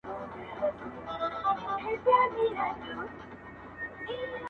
هره ورځ نوی امید راوړي.